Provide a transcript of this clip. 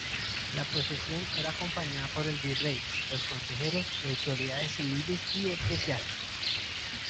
La procesión era acompañada por el virrey, los consejeros y autoridades civiles y eclesiásticas.